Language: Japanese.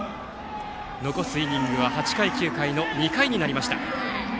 残すイニングは８回、９回の２回になりました。